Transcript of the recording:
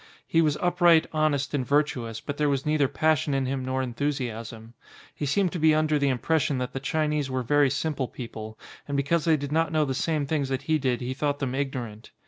He was up right, honest, and virtuous, but there was neither passion in him nor enthusiasm. He seemed to be under the impression that the Chinese were very simple people, and because they did not know the same things that he did he thought them ignorant.